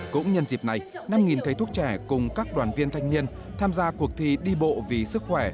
cũng nhân dịp này năm thầy thuốc trẻ cùng các đoàn viên thanh niên tham gia cuộc thi đi bộ vì sức khỏe